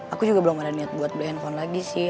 aku juga belum ada niat buat beli handphone lagi sih